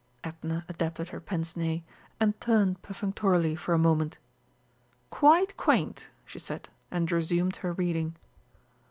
Edna adapted her pince nez and turned perfunctorily for a moment. "Quite quaint!" she said, and resumed her reading.